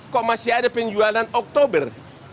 kok masih ada penjualan oktober